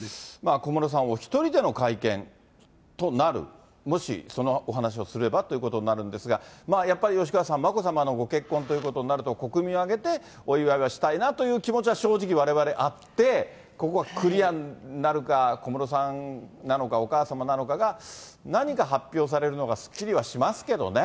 小室さんお１人での会見となる、もしそのお話をすればということになるんですが、やっぱり吉川さん、眞子さまのご結婚ということになると、国民を挙げてお祝いはしたいなという気持ちは、正直われわれあって、ここがクリアになるか、小室さんなのか、お母様なのかが何か発表されるのがすっきりはしますけどね。